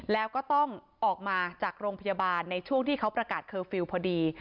แล้วก็ต้องออกมาจากโรงพยาบาลในช่วงที่เขาประกาศเคอร์ฟิลล์พอดี